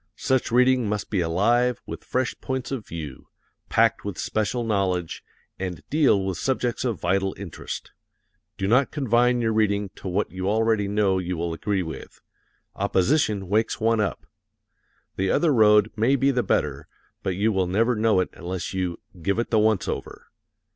Such reading must be alive with fresh points of view, packed with special knowledge, and deal with subjects of vital interest. Do not confine your reading to what you already know you will agree with. Opposition wakes one up. The other road may be the better, but you will never know it unless you "give it the once over."